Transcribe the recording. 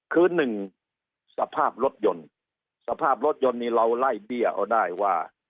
คือหนึ่งสภาพรถยนต์สภาพรถยนต์นี้เราไล่เบี้ยเอาได้ว่า